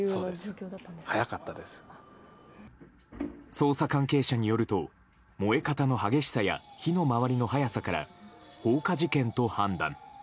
捜査関係者によると燃え方の激しさや火の回りの早さから放火事件と判断。